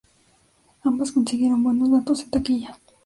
Ambas consiguieron buenos datos en taquilla.